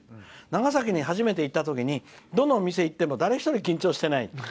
長崎に初めて行ったときにどのお店行っても、誰一人緊張してない。